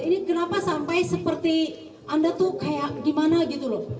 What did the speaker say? ini kenapa sampai seperti anda tuh kayak gimana gitu loh